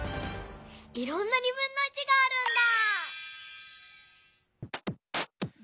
いろんながあるんだ！